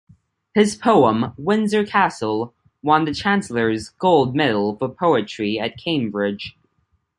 His poem "Windsor Castle" won the Chancellor's Gold Medal for poetry at Cambridge.